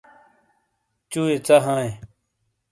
چُوئیے ژا ہائیے۔